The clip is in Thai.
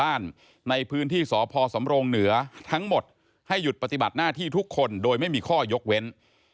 บ้านในพื้นที่สพสำรงเหนือทั้งหมดให้หยุดปฏิบัติหน้าที่ทุกคนโดยไม่มีข้อยกเว้น